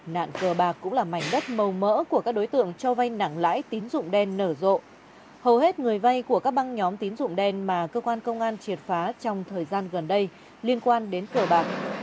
nạn cờ bạc cũng là mảnh đất màu mỡ của các đối tượng cho vay nặng lãi tín dụng đen nở rộ hầu hết người vay của các băng nhóm tín dụng đen mà cơ quan công an triệt phá trong thời gian gần đây liên quan đến cờ bạc